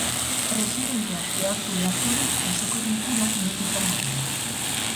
Presidenteak zehaztu beharko du osoko bilkura noiz izango den.